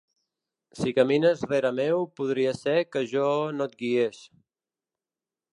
Si camines rere meu podria ser que jo no et guiés.